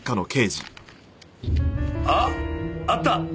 ああった。